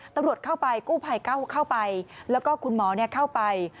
ตำรวจเข้าไปกู้ภัยเข้าไปแล้วก็คุณหมอเข้าไป